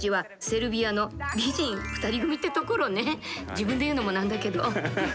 自分で言うのも何だけど。